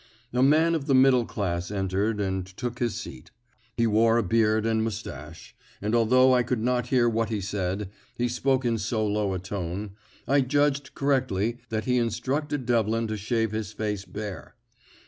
A man of the middle class entered and took his seat. He wore a beard and moustache; and although I could not hear what he said, he spoke in so low a tone, I judged correctly that he instructed Devlin to shave his face bare.